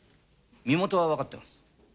身元はわかってます。